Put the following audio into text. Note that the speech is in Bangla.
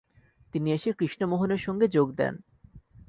তিনি এসে কৃষ্ণমোহনের সঙ্গে যোগ দেন।